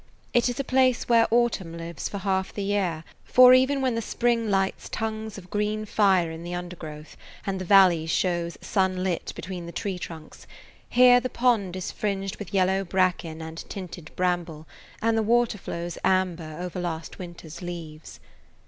It is a place where autumn lives for half the year, for even when the spring lights tongues of green fire in the undergrowth, and the valley shows sunlit between the tree trunks, here the pond is fringed with yellow bracken and tinted bramble, and the water flows amber over last winter's leaves.